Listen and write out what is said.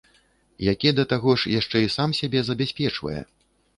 Які, да таго ж, яшчэ і сам сябе забяспечвае!